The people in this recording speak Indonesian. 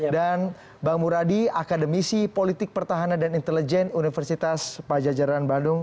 dan bang muradi akademisi politik pertahanan dan intelijen universitas pajajaran bandung